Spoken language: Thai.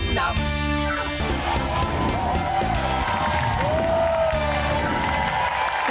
ได้หรือไม่ได้ครับ